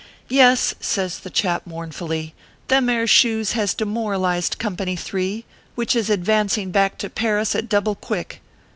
" Yes," says the chap, mournfully, " them air shoes has demoralized Company 3, which is advancing back to Paris at double quick.